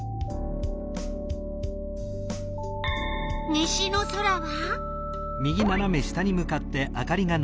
西の空は？